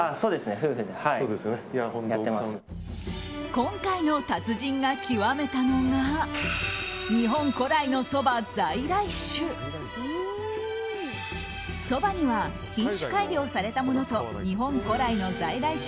今回の達人が極めたのが日本古来のそば、在来種。